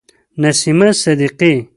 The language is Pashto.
نسیمه صدیقی